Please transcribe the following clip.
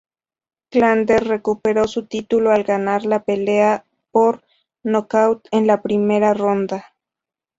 Chandler recuperó su título al ganar la pelea por nocaut en la primera ronda.